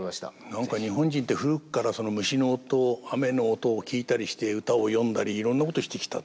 何か日本人って古くから虫の音雨の音を聞いたりして歌を詠んだりいろんなことをしてきた。